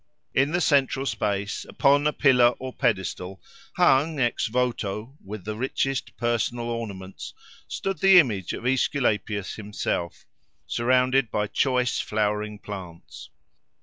In the central space, upon a pillar or pedestal, hung, ex voto, with the richest personal ornaments, stood the image of Aesculapius himself, surrounded by choice flowering plants.